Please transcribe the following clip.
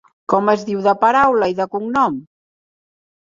Com es diu de paraula, i de cognom?